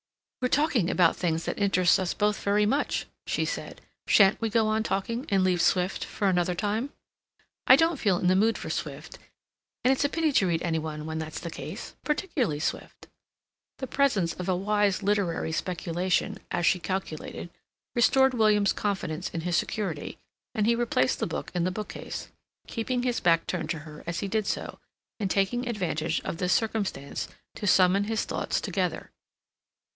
"We're talking about things that interest us both very much," she said. "Shan't we go on talking, and leave Swift for another time? I don't feel in the mood for Swift, and it's a pity to read any one when that's the case—particularly Swift." The presence of wise literary speculation, as she calculated, restored William's confidence in his security, and he replaced the book in the bookcase, keeping his back turned to her as he did so, and taking advantage of this circumstance to summon his thoughts together.